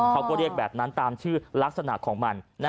เขาก็เรียกแบบนั้นตามชื่อลักษณะของมัน